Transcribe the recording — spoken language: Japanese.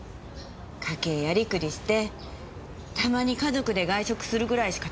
家計やりくりしてたまに家族で外食するぐらいしか楽しみないんだから。